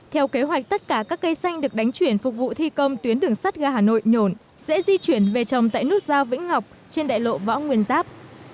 theo kế hoạch tất cả các cây xanh được đánh chuyển phục vụ thi công tuyến đường sắt ga hà nội nhổn sẽ di chuyển về trồng tại nút giao vĩnh ngọc trên đại lộ võ nguyên giáp